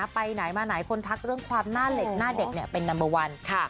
ไปไหนมาไหนคนทักเรื่องความหน้าเด็กหน้าเรียวเนี่ยเป็นนัมเบอร์วัน